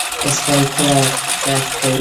سپي کله غږ کوي.